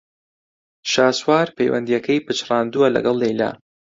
شاسوار پەیوەندییەکەی پچڕاندووە لەگەڵ لەیلا.